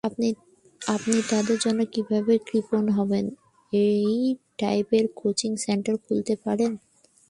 আপনি তাদের জন্য কীভাবে কৃপণ হবেন—এই টাইপের কোচিং সেন্টার খুলতে পারেন।